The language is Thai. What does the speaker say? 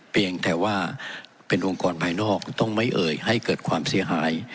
เพียงแต่ว่าเป็นองค์กรภายนอกต้องไม่เอ่ยให้เกิดความเสียหาย